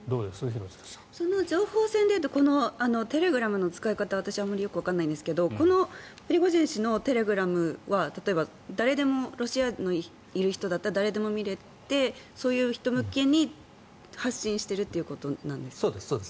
情報戦で言うとテレグラムの使い方は私はよくわからないんですがプリゴジン氏のテレグラムはロシアにいる人だったら誰でも見れて、そういう人向けに発信しているということですか。